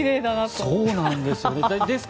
そうなんです。